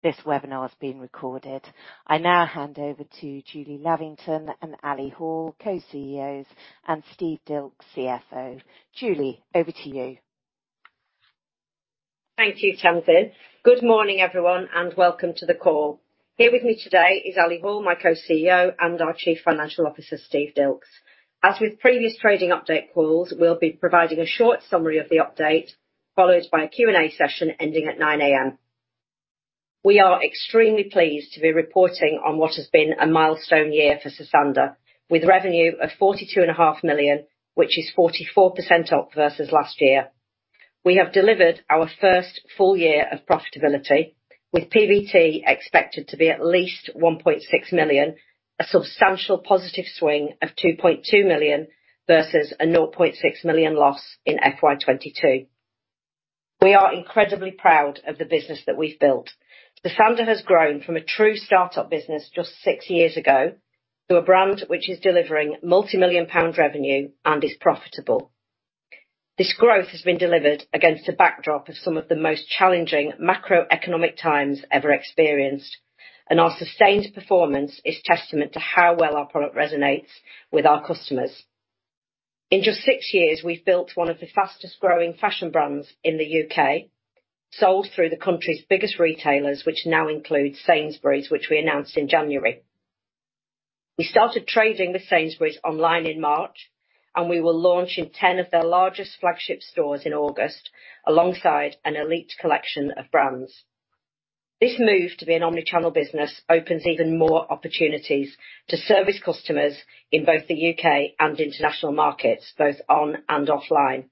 This webinar is being recorded. I now hand over to Julie Lavington and Ali Hall, Co-CEOs, and Steve Dilks, CFO. Julie, over to you. Thank you, Tamsin. Good morning, everyone, and welcome to the call. Here with me today is Ali Hall, my Co-CEO, and our Chief Financial Officer, Steve Dilks. As with previous trading update calls, we'll be providing a short summary of the update, followed by a Q&A session ending at 9:00 A.M. We are extremely pleased to be reporting on what has been a milestone year for Sosandar, with revenue of 42.5 million, which is 44% up versus last year. We have delivered our first full year of profitability, with PBT expected to be at least 1.6 million, a substantial positive swing of 2.2 million versus a 0.6 million loss in FY 2022. We are incredibly proud of the business that we've built. Sosandar has grown from a true start-up business just six years ago to a brand which is delivering multimillion-pound revenue and is profitable. This growth has been delivered against a backdrop of some of the most challenging macroeconomic times ever experienced. Our sustained performance is testament to how well our product resonates with our customers. In just six years, we've built one of the fastest-growing fashion brands in the U.K., sold through the country's biggest retailers, which now includes Sainsbury's, which we announced in January. We started trading with Sainsbury's online in March. We will launch in 10 of their largest flagship stores in August, alongside an elite collection of brands. This move to be an omni-channel business opens even more opportunities to service customers in both the U.K. and international markets, both on and offline.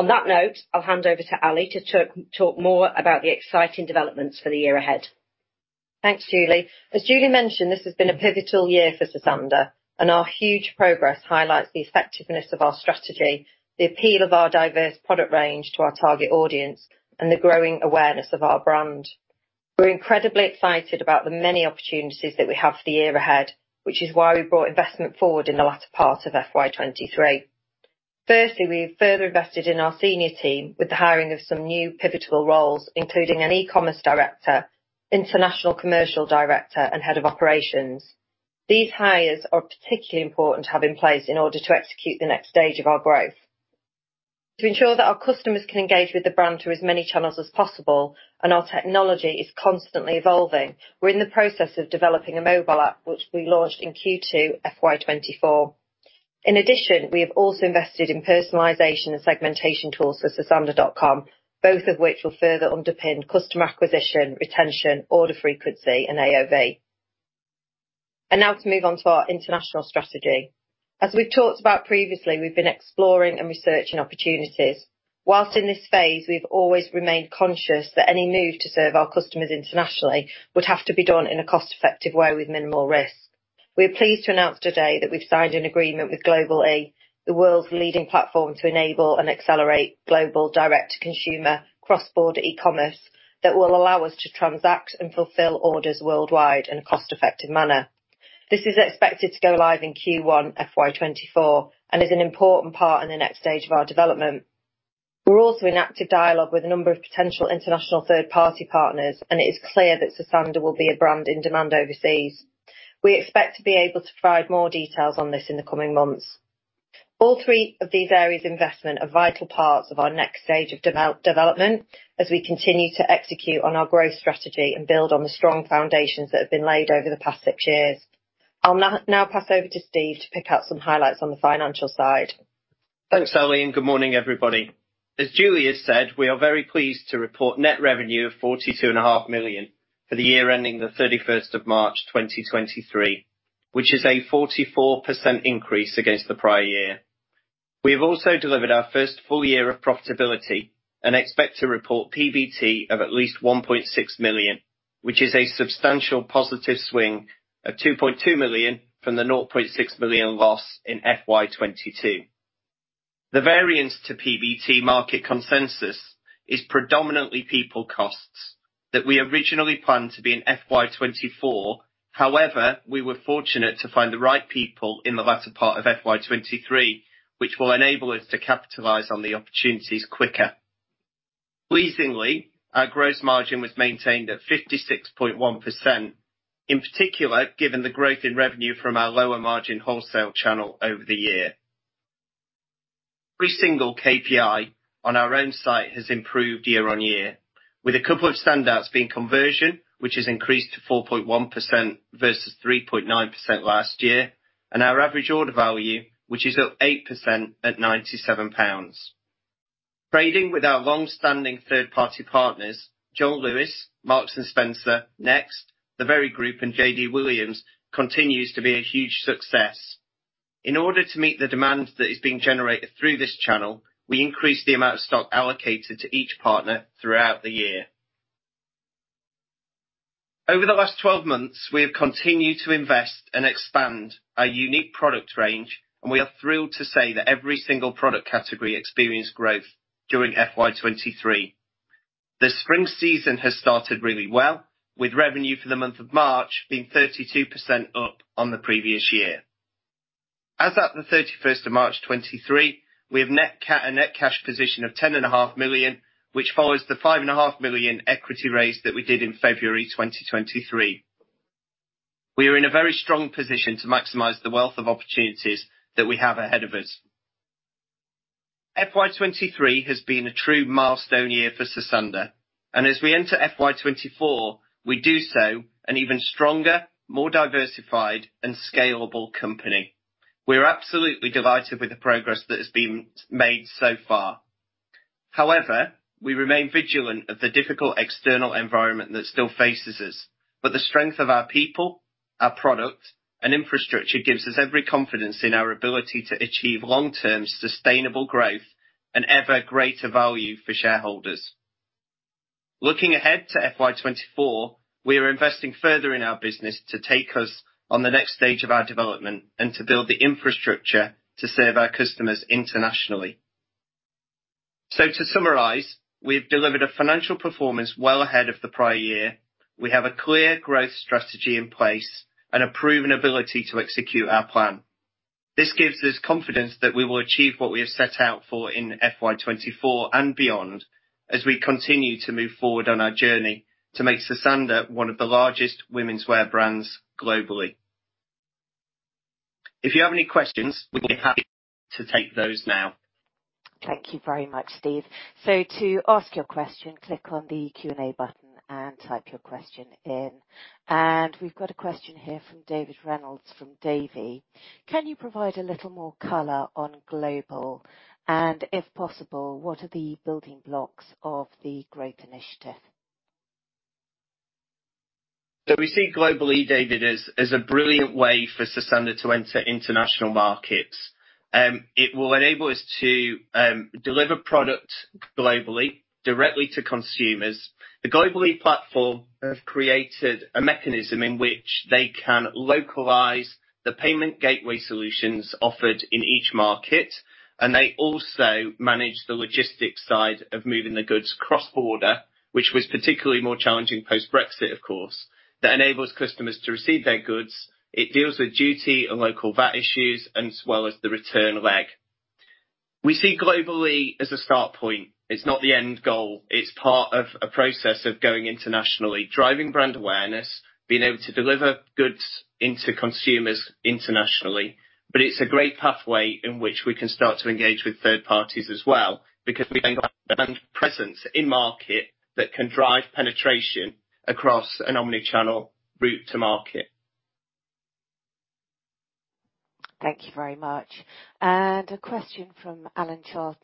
On that note, I'll hand over to Ali to talk more about the exciting developments for the year ahead. Thanks, Julie. As Julie mentioned, this has been a pivotal year for Sosandar, and our huge progress highlights the effectiveness of our strategy, the appeal of our diverse product range to our target audience, and the growing awareness of our brand. We're incredibly excited about the many opportunities that we have for the year ahead, which is why we brought investment forward in the latter part of FY 2023. Firstly, we've further invested in our senior team with the hiring of some new pivotal roles, including an e-commerce director, international commercial director, and head of operations. These hires are particularly important to have in place in order to execute the next stage of our growth. To ensure that our customers can engage with the brand through as many channels as possible, and our technology is constantly evolving, we're in the process of developing a mobile app, which will be launched in Q2 FY 2024. In addition, we have also invested in personalization and segmentation tools for Sosandar.com, both of which will further underpin customer acquisition, retention, order frequency, and AOV. Now to move on to our international strategy. As we've talked about previously, we've been exploring and researching opportunities. Whilst in this phase, we've always remained conscious that any move to serve our customers internationally would have to be done in a cost-effective way with minimal risk. We are pleased to announce today that we've signed an agreement with Global-e, the world's leading platform to enable and accelerate global direct to consumer cross-border e-commerce that will allow us to transact and fulfill orders worldwide in a cost-effective manner. This is expected to go live in Q1 FY 2024 and is an important part in the next stage of our development. We're also in active dialogue with a number of potential international third-party partners, and it is clear that Sosandar will be a brand in demand overseas. We expect to be able to provide more details on this in the coming months. All three of these areas of investment are vital parts of our next stage of development as we continue to execute on our growth strategy and build on the strong foundations that have been laid over the past six years. I'll now pass over to Steve to pick out some highlights on the financial side. Thanks, Ali. Good morning, everybody. As Julie has said, we are very pleased to report net revenue of 42.5 million for the year ending the 31st of March, 2023, which is a 44% increase against the prior year. We have also delivered our first full year of profitability and expect to report PBT of at least 1.6 million, which is a substantial positive swing of 2.2 million from the 0.6 million loss in FY 2022. The variance to PBT market consensus is predominantly people costs that we originally planned to be in FY 2024. We were fortunate to find the right people in the latter part of FY 2023, which will enable us to capitalize on the opportunities quicker. Pleasingly, our gross margin was maintained at 56.1%, in particular, given the growth in revenue from our lower margin wholesale channel over the year. Every single KPI on our own site has improved year on year, with a couple of standouts being conversion, which has increased to 4.1% versus 3.9% last year, and our average order value, which is up 8% at 97 pounds. Trading with our long-standing third-party partners, John Lewis, Marks & Spencer, Next, The Very Group, and JD Williams, continues to be a huge success. In order to meet the demand that is being generated through this channel, we increased the amount of stock allocated to each partner throughout the year. Over the last 12 months, we have continued to invest and expand our unique product range. We are thrilled to say that every single product category experienced growth during FY 2023. The spring season has started really well, with revenue for the month of March being 32% up on the previous year. As of the 31st of March 2023, we have a net cash position of 10.5 million, which follows the 5.5 million equity raise that we did in February 2023. We are in a very strong position to maximize the wealth of opportunities that we have ahead of us. FY 2023 has been a true milestone year for Sosandar. As we enter FY 2024, we do so an even stronger, more diversified, and scalable company. We're absolutely delighted with the progress that has been made so far. However, we remain vigilant of the difficult external environment that still faces us. The strength of our people, our product, and infrastructure gives us every confidence in our ability to achieve long-term sustainable growth and ever greater value for shareholders. Looking ahead to FY 2024, we are investing further in our business to take us on the next stage of our development and to build the infrastructure to serve our customers internationally. To summarize, we have delivered a financial performance well ahead of the prior year. We have a clear growth strategy in place and a proven ability to execute our plan. This gives us confidence that we will achieve what we have set out for in FY 2024 and beyond, as we continue to move forward on our journey to make Sosandar one of the largest womenswear brands globally. If you have any questions, we'll be happy to take those now. Thank you very much, Steve. To ask your question, click on the Q&A button and type your question in. We've got a question here from David Reynolds from Davy: Can you provide a little more color on Global-e? And if possible, what are the building blocks of the growth initiative? We see globally, David, as a brilliant way for Sosandar to enter international markets. It will enable us to deliver product globally, directly to consumers. The Global-e platform have created a mechanism in which they can localize the payment gateway solutions offered in each market, and they also manage the logistics side of moving the goods cross-border, which was particularly more challenging post-Brexit, of course. That enables customers to receive their goods. It deals with duty and local VAT issues, as well as the return of leg. We see Global-e as a start point. It's not the end goal. It's part of a process of going internationally, driving brand awareness, being able to deliver goods into consumers internationally, but it's a great pathway in which we can start to engage with third parties as well, because we end up brand presence in market that can drive penetration across an omni-channel route to market. Thank you very much. A question from Alan Charlton.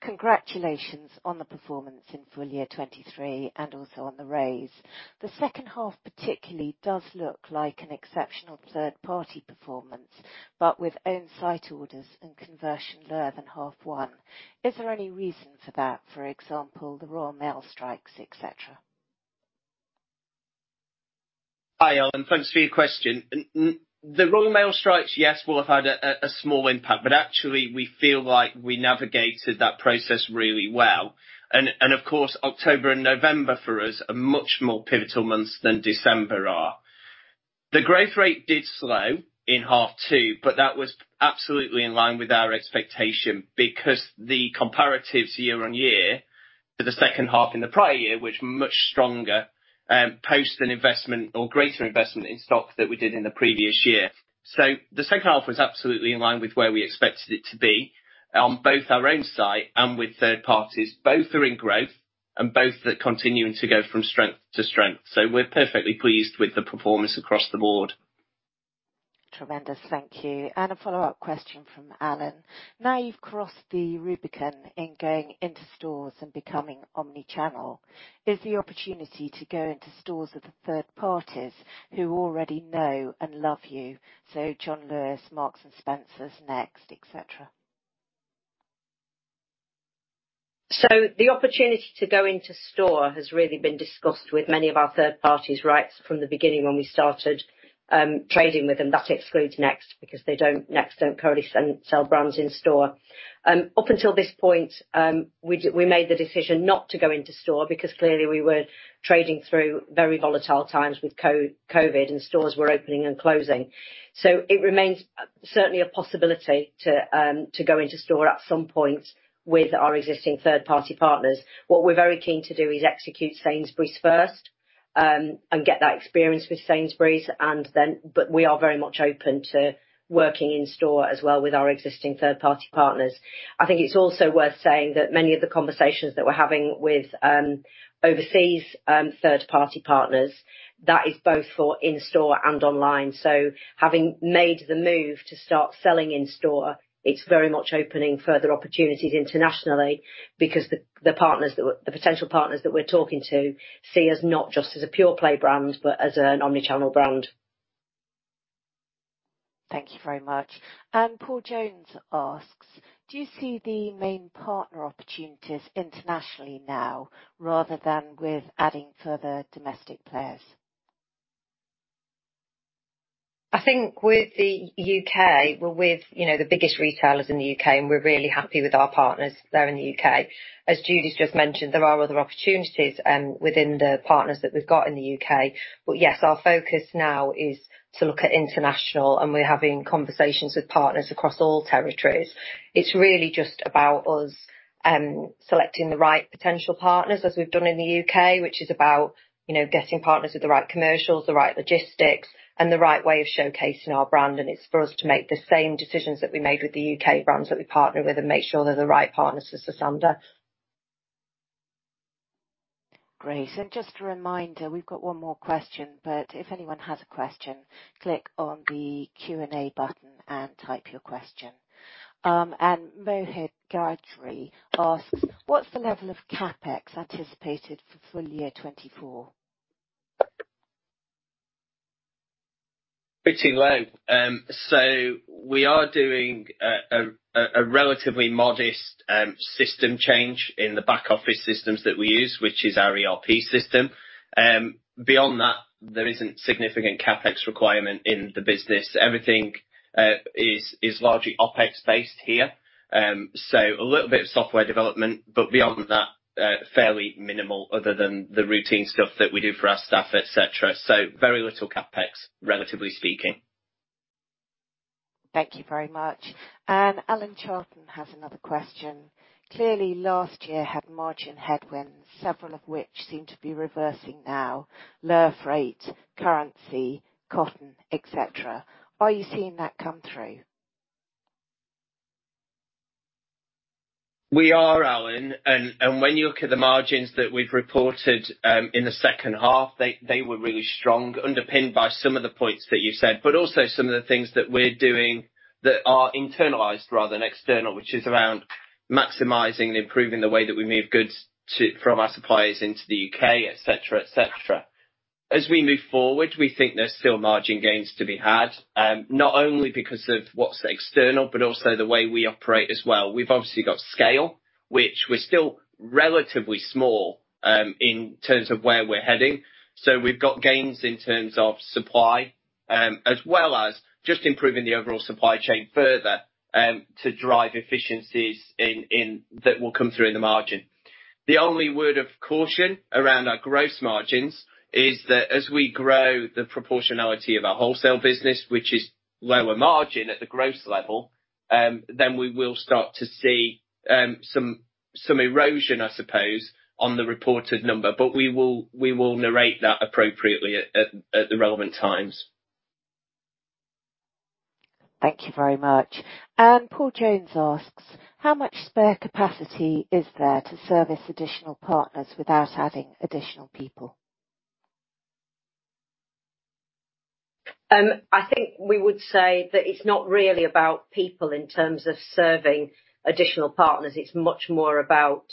Congratulations on the performance in full year 2023 and also on the raise. The second half particularly does look like an exceptional third-party performance, but with own site orders and conversion lower than half one. Is there any reason for that? For example, the Royal Mail strikes, et cetera. Hi, Alan, thanks for your question. The Royal Mail strikes, yes, will have had a small impact, but actually we feel like we navigated that process really well. Of course, October and November for us are much more pivotal months than December are. The growth rate did slow in half two, but that was absolutely in line with our expectation because the comparatives year-on-year for the second half in the prior year were much stronger, post an investment or greater investment in stock than we did in the previous year. The second half was absolutely in line with where we expected it to be on both our own site and with third parties. Both are in growth and both are continuing to go from strength to strength. We're perfectly pleased with the performance across the board. Tremendous. Thank you. A follow-up question from Alan. Now you've crossed the Rubicon in going into stores and becoming omni-channel. Is the opportunity to go into stores with the third parties who already know and love you, so John Lewis, Marks & Spencer, Next, et cetera? The opportunity to go into store has really been discussed with many of our third parties right from the beginning when we started trading with them. That excludes Next because they don't Next currently sell brands in store. Up until this point, we made the decision not to go into store because clearly we were trading through very volatile times with COVID and stores were opening and closing. It remains certainly a possibility to go into store at some point with our existing third-party partners. What we're very keen to do is execute Sainsbury's first and get that experience with Sainsbury's, but we are very much open to working in store as well with our existing third-party partners. I think it's also worth saying that many of the conversations that we're having with overseas third-party partners, that is both for in store and online. Having made the move to start selling in store, it's very much opening further opportunities internationally because the potential partners that we're talking to see us not just as a pure play brand, but as an omni-channel brand. Thank you very much. Paul Jones asks: Do you see the main partner opportunities internationally now rather than with adding further domestic players? I think with the U.K., we're with, you know, the biggest retailers in the U.K., and we're really happy with our partners there in the U.K. As Steve just mentioned, there are other opportunities within the partners that we've got in the U.K. Yes, our focus now is to look at international, and we're having conversations with partners across all territories. It's really just about us selecting the right potential partners as we've done in the U.K., which is about, you know, getting partners with the right commercials, the right logistics, and the right way of showcasing our brand, and it's for us to make the same decisions that we made with the U.K. brands that we partner with and make sure they're the right partners for Sosandar. Great. Just a reminder, we've got one more question, but if anyone has a question, click on the Q&A button and type your question. Mohit Gajaria asks: What's the level of CapEx anticipated for full year 2024? Pretty low. We are doing a relatively modest system change in the back-office systems that we use, which is our ERP system. Beyond that, there isn't significant CapEx requirement in the business. Everything is largely OpEx-based here. A little bit of software development, but beyond that, fairly minimal other than the routine stuff that we do for our staff, et cetera. Very little CapEx, relatively speaking. Thank you very much. Alan Charlton has another question. Clearly, last year had margin headwinds, several of which seem to be reversing now, lower freight, currency, cotton, et cetera. Are you seeing that come through? We are, Alan. When you look at the margins that we've reported, in the second half, they were really strong, underpinned by some of the points that you said, but also some of the things that we're doing that are internalized rather than external, which is around maximizing and improving the way that we move goods from our suppliers into the U.K., et cetera, et cetera. As we move forward, we think there's still margin gains to be had, not only because of what's external, but also the way we operate as well. We've obviously got scale, which we're still relatively small, in terms of where we're heading. We've got gains in terms of supply, as well as just improving the overall supply chain further, to drive efficiencies that will come through in the margin. The only word of caution around our gross margins is that as we grow the proportionality of our wholesale business, which is lower margin at the gross level, then we will start to see some erosion, I suppose, on the reported number, but we will narrate that appropriately at the relevant times. Thank you very much. Paul Jones asks: How much spare capacity is there to service additional partners without adding additional people? I think we would say that it's not really about people in terms of serving additional partners. It's much more about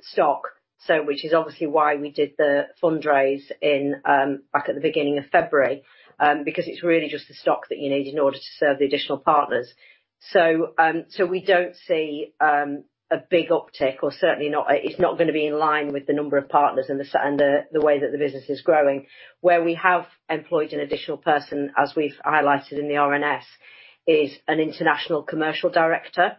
stock, so which is obviously why we did the fundraise in back at the beginning of February because it's really just the stock that you need in order to serve the additional partners. We don't see a big uptick, or certainly not. It's not gonna be in line with the number of partners and the way that the business is growing. Where we have employed an additional person, as we've highlighted in the RNS, is an international commercial director.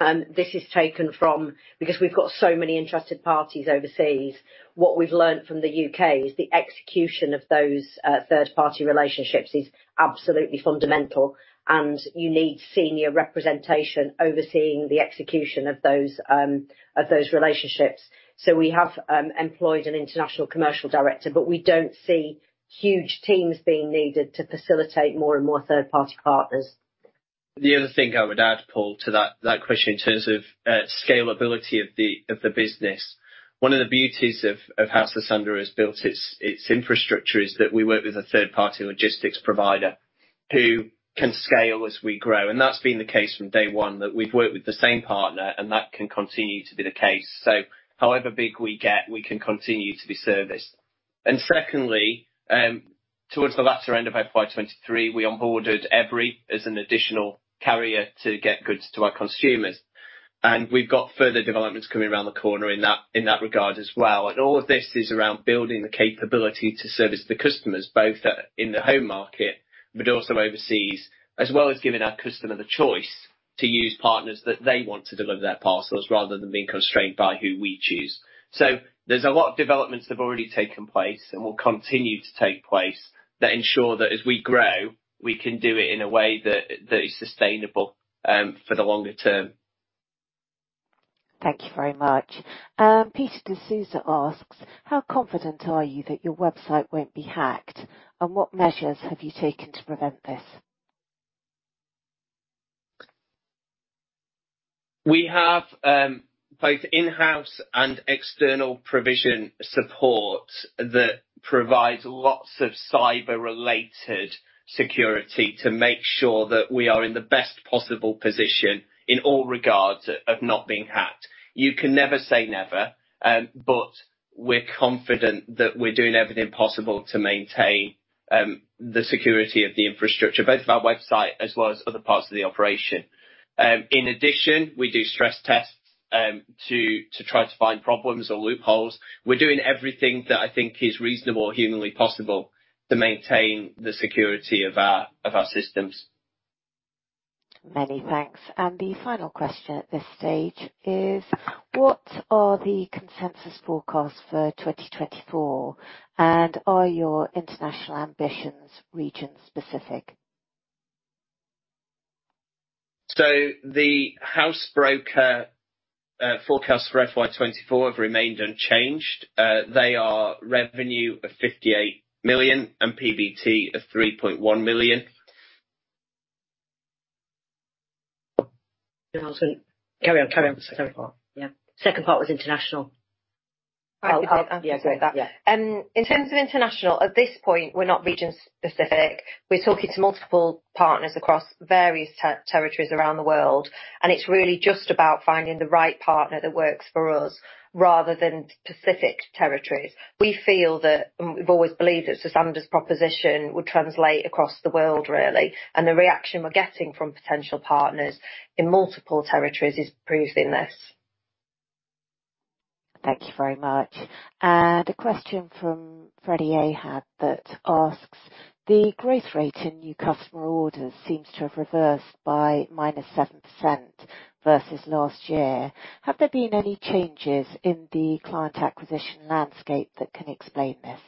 This is taken from... We've got so many interested parties overseas, what we've learned from the U.K. is the execution of those, third-party relationships is absolutely fundamental, and you need senior representation overseeing the execution of those, of those relationships. We have, employed an international commercial director, but we don't see huge teams being needed to facilitate more and more third-party partners. The other thing I would add, Paul, to that question in terms of scalability of the business, one of the beauties of how Sosandar has built its infrastructure is that we work with a third-party logistics provider who can scale as we grow. That's been the case from day one, that we've worked with the same partner, and that can continue to be the case. However big we get, we can continue to be serviced. Secondly, towards the latter end of FY 2023, we onboarded Evri as an additional carrier to get goods to our consumers. We've got further developments coming around the corner in that regard as well. All of this is around building the capability to service the customers, both, in the home market, but also overseas, as well as giving our customer the choice to use partners that they want to deliver their parcels, rather than being constrained by who we choose. There's a lot of developments that have already taken place and will continue to take place that ensure that as we grow, we can do it in a way that is sustainable, for the longer term. Thank you very much. Peter Steel asks: How confident are you that your website won't be hacked, and what measures have you taken to prevent this? We have, both in-house and external provision support that provides lots of cyber-related security to make sure that we are in the best possible position in all regards of not being hacked. You can never say never, but we're confident that we're doing everything possible to maintain the security of the infrastructure, both of our website as well as other parts of the operation. In addition, we do stress tests to try to find problems or loopholes. We're doing everything that I think is reasonable or humanly possible to maintain the security of our, of our systems. Many thanks. The final question at this stage is: What are the consensus forecasts for 2024, and are your international ambitions region-specific? The house broker forecast for FY 2024 have remained unchanged. They are revenue of 58 million and PBT of 3.1 million. Carry on with the second part. Yeah. Second part was international. I, I- Oh, okay. Yeah. Can take that. In terms of international, at this point, we're not region-specific. We're talking to multiple partners across various territories around the world, and it's really just about finding the right partner that works for us rather than specific territories. We feel that, and we've always believed that Sosandar's proposition would translate across the world, really, and the reaction we're getting from potential partners in multiple territories is proving this. Thank you very much. A question from Freddy Ahad that asks: The growth rate in new customer orders seems to have reversed by -7% versus last year. Have there been any changes in the client acquisition landscape that can explain this?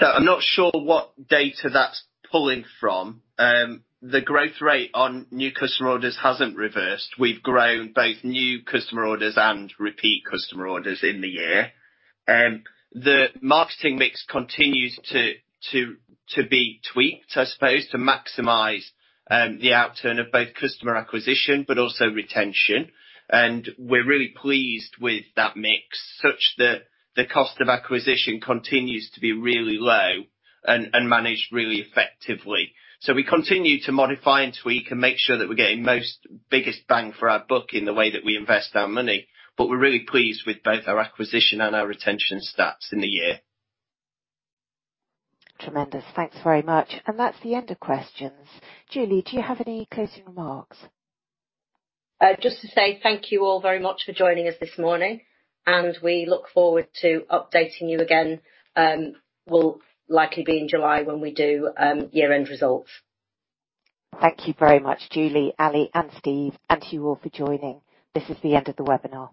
I'm not sure what data that's pulling from. The growth rate on new customer orders hasn't reversed. We've grown both new customer orders and repeat customer orders in the year. The marketing mix continues to be tweaked, I suppose, to maximize the outturn of both customer acquisition, but also retention. We're really pleased with that mix, such that the cost of acquisition continues to be really low and managed really effectively. We continue to modify and tweak and make sure that we're getting most biggest bang for our buck in the way that we invest our money, but we're really pleased with both our acquisition and our retention stats in the year. Tremendous. Thanks very much. That's the end of questions. Julie, do you have any closing remarks? Just to say thank you all very much for joining us this morning, and we look forward to updating you again, will likely be in July when we do, year-end results. Thank you very much, Julie, Ali, and Steve, and you all for joining. This is the end of the webinar.